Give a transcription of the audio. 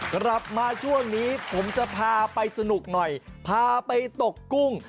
กลับมาช่วงนี้ผมจะพาไปสนุกหน่อยพาไปตกกุ้ง